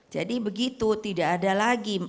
jadi begitu tidak ada lagi